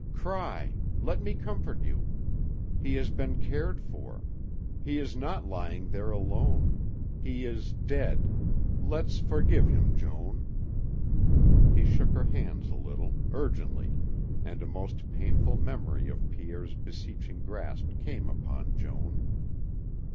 Cry. Let me comfort you. He has been cared for. He is not lying there alone. He is dead. Let's forgive him, Joan." He shook her hands a little, urgently, and a most painful memory of Pierre's beseeching grasp came upon Joan.